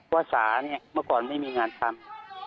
สาเนี่ยเมื่อก่อนไม่มีงานทำ